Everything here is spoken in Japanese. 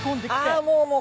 あもうもう。